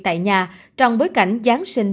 tại nhà trong bối cảnh giáng sinh